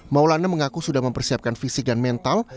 maulana mengaku sudah mempersiapkan fisik dan mental